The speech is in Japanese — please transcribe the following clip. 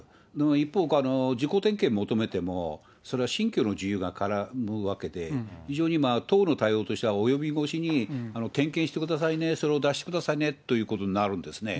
一方、自己点検求めても、それは信教の自由が絡むわけで、非常に党の対応としては及び腰に点検してくださいね、それを出してくださいねということになるんですね。